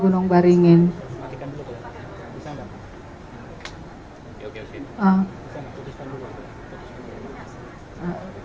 bisa nggak kutipkan dulu pak